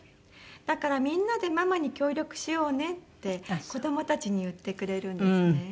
「だからみんなでママに協力しようね」って子どもたちに言ってくれるんですね。